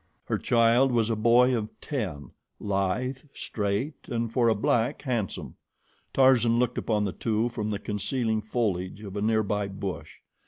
Her child was a boy of ten, lithe, straight and, for a black, handsome. Tarzan looked upon the two from the concealing foliage of a near by bush.